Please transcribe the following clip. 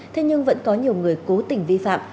thế nhưng vẫn có nhiều người cố tình vi phạm